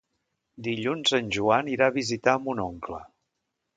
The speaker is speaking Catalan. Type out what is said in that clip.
Dilluns en Joan irà a visitar mon oncle.